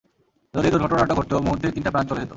যদি দূর্ঘটনাটা ঘটতো, মুহুর্তেই তিনটা প্রাণ চলে যেতো!